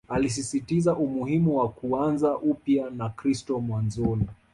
Alisisitiza umuhimu wa kuanza upya na kristo mwanzoni